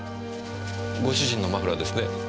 ご主人のマフラーですね？